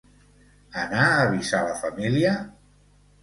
Anar a avisar la família?